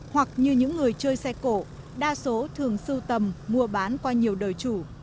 hoặc như những người chơi xe cổ đa số thường sưu tầm mua bán qua nhiều đời chủ